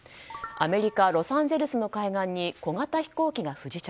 アメリカ・ロサンゼルスの海岸に小型飛行機が不時着。